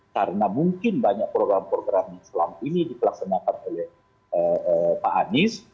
karena mungkin banyak program program selama ini dikelaksanakan oleh pak amis